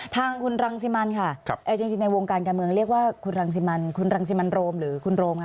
ทางคุณรังสิมันค่ะจริงในวงการการเมืองเรียกว่าคุณรังสิมันคุณรังสิมันโรมหรือคุณโรมค่ะ